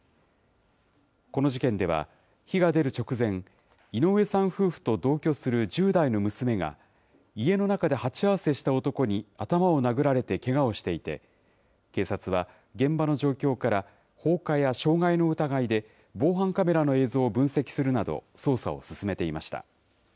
この事件では、火が出る直前、井上さん夫婦と同居する１０代の娘が、家の中で鉢合わせした男に頭を殴られてけがをしていて、警察は、現場の状況から、放火や傷害の疑いで防犯カメラの映像を分析するなど、捜査を進めていました。